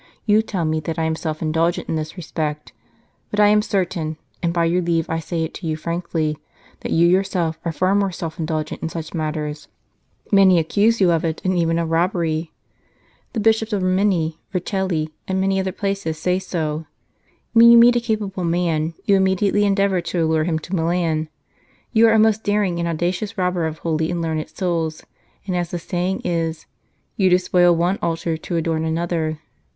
... You tell me that I am 133 St. Charles Borromeo self indulgent in this respect, but I am certain, and by your leave I say it to you frankly, that you yourself are far more self indulgent in such matters; many accuse you of it, and even of robbery ! The Bishops of Rimini, Vercelli, and many other places, say so. When you meet a capable man, you immediately endeavour to allure him to Milan ; you are a most daring and audacious robber of holy and learned souls, and, as the saying is, You despoil one altar to adorn another.